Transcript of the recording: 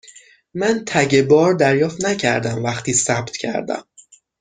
من تگ بار دریافت نکردم وقتی ثبت کردم.